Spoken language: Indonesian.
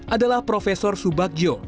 adalah profesor subakjo